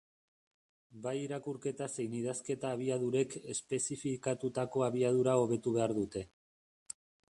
Bai irakurketa zein idazketa abiadurek espezifikatutako abiadura hobetu behar dute.